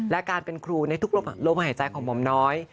และการเป็นครูในทุกลมหายใจของหม่อมน้อย